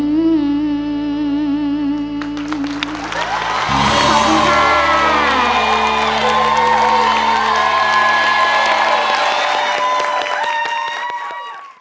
สวัสดีครับ